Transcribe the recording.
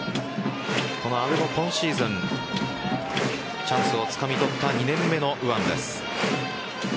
この阿部も今シーズンチャンスをつかみ取った２年目の右腕です。